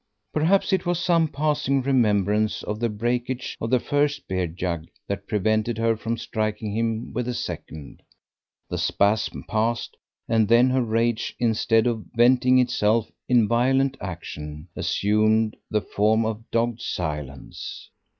Perhaps it was some passing remembrance of the breakage of the first beer jug that prevented her from striking him with the second. The spasm passed, and then her rage, instead of venting itself in violent action, assumed the form of dogged silence.